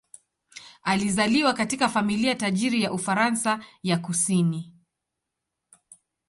Alizaliwa katika familia tajiri ya Ufaransa ya kusini.